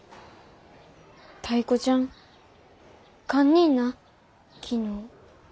タイ子ちゃん堪忍な昨日。